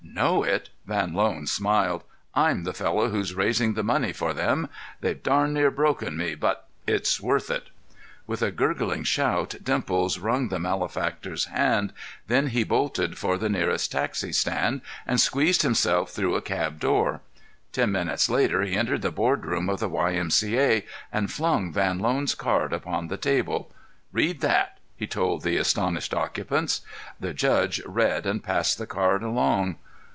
"Know it?" Van Loan smiled. "I'm the fellow who's raising the money for them. They've darn near broken me, but—it's worth it." With a gurgling shout Dimples wrung the malefactor's hand; then he bolted for the nearest taxi stand and squeezed himself through a cab door. Ten minutes later he entered the boardroom at the Y. M. C. A. and flung Van Loan's card upon the table. "Read that!" he told the astonished occupants. The "judge" read and passed the card along.